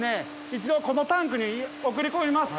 一度このタンクに送り込みます。